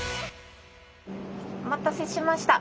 お待たせしました。